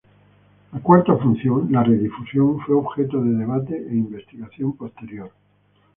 La cuarta función, la redifusión, fue objeto de debate e investigación posterior.